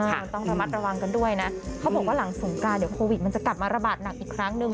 ต้องระมัดระวังกันด้วยนะเขาบอกว่าหลังสงกรานเดี๋ยวโควิดมันจะกลับมาระบาดหนักอีกครั้งหนึ่ง